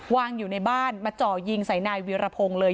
อยู่ในบ้านมาเจาะยิงใส่นายวีรพงศ์เลย